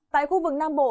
tại khu vực nam bộ